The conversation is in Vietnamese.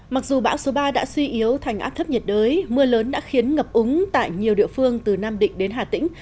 mặc dù bão số ba đã suy yếu thành áp thấp nhiệt đới mưa lớn đã khiến ngập úng tại nhiều địa phương từ nam định đến hà tĩnh